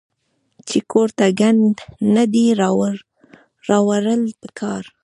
چې کور ته ګند نۀ دي راوړل پکار